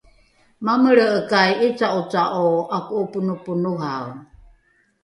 mamelre’ekai ’ica’oca’o ’ako’oponoponohae?